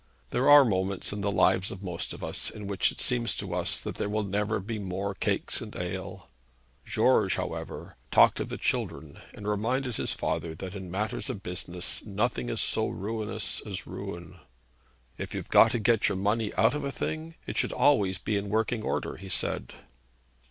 There are moments in the lives of most of us in which it seems to us that there will never be more cakes and ale. George, however, talked of the children, and reminded his father that in matters of business nothing is so ruinous as ruin. 'If you've got to get your money out of a thing, it should always be in working order,' he said.